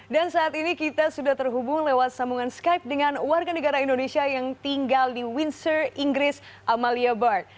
dan saat ini kita sudah terhubung lewat sambungan skype dengan warga negara indonesia yang tinggal di windsor inggris amalia bar